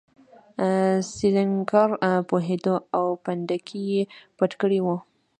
سینکلر پوهېده او پنډکی یې پټ کړی و.